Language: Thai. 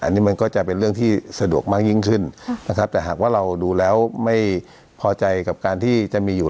อันนี้มันก็จะเป็นเรื่องที่สะดวกมากยิ่งขึ้นนะครับแต่หากว่าเราดูแล้วไม่พอใจกับการที่จะมีอยู่